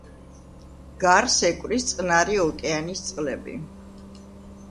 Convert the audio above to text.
გარს ეკვრის წყნარი ოკეანის წყლები.